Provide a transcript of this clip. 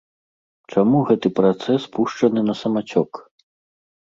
Чаму гэты працэс пушчаны на самацёк?